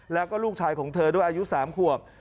แล้วก็ลูกชายของเธอด้วยอายุ๓ขวบ